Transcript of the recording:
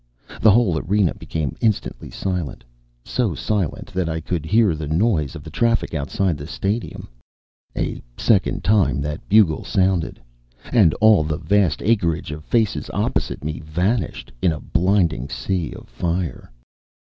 The whole arena became instantly silent, so silent that I could hear the noise of the traffic outside the stadium. A second time that bugle sounded — 76 and all the vast acreage of faces opposite me vanished in a blind ing sea of fire.